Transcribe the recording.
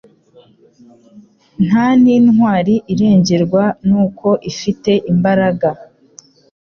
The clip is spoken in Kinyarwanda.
nta n’intwari irengerwa n’uko ifite imbaraga